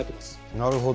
なるほど。